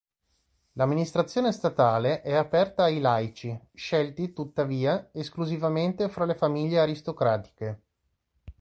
L'amministrazione statale è aperta ai laici, scelti, tuttavia, esclusivamente fra le famiglie aristocratiche.